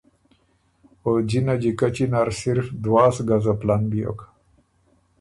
او جِنه جیکچی نر صرف دواس ګزه پلن بیوک۔